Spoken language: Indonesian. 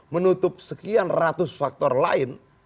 menutup sekian ratus faktor lain